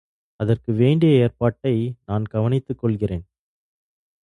அதற்கு வேண்டிய ஏற்பாட்டை நான் கவனித்துக் கொள்கிறேன்.